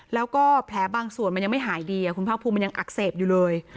แล้วก็แผลบางส่วนมันยังไม่หายดีคุณภาคภูมิมันยังอักเสบอยู่เลย